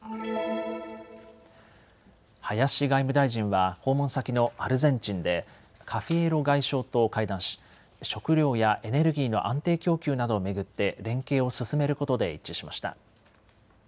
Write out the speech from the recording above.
林外務大臣は訪問先のアルゼンチンでカフィエロ外相と会談し食料やエネルギーの安定供給などを巡って連携を進めることで一致しました。